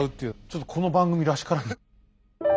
ちょっとこの番組らしからぬ。